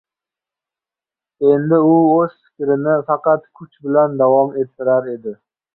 U endi o'z fikrini faqat kuch bilan davom ettirar edi.